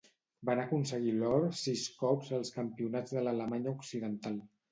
Van aconseguir l'or sis cops als Campionats de l'Alemanya Occidental.